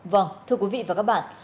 vâng thưa quý vị và các bạn